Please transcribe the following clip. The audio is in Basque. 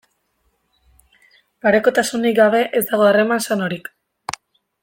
Parekotasunik gabe ez dago harreman sanorik.